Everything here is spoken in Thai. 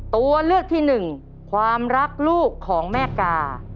ตัวเลือกที่หนึ่งความรักลูกของแม่กา